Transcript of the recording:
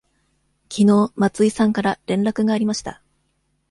きのう松井さんから連絡がありました。